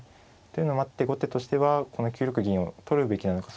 というのもあって後手としてはこの９六銀を取るべきなのか